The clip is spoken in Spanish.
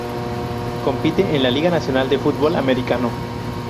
Compite en la Liga Nacional de Fútbol Americano.